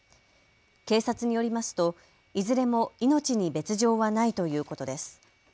警察によりますと、いずれも命に別状はないということです。